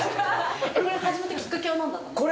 これを始めたきっかけはなんだったんですか？